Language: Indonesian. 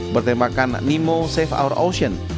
bertembakan nemo save our ocean